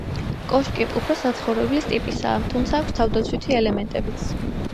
კოშკი უფრო საცხოვრებლის ტიპისაა, თუმცა აქვს თავდაცვითი ელემენტებიც.